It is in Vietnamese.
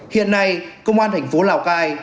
hiện nay công an thành phố lào cai